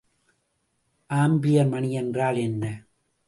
Ampere மணி என்றால் என்ன?